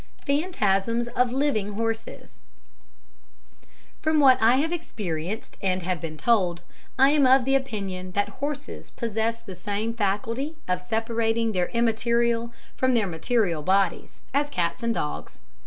Phantasms of Living Horses From what I have experienced and have been told, I am of the opinion that horses possess the same faculty of separating their immaterial from their material bodies, as cats and dogs.